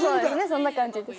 そんな感じです。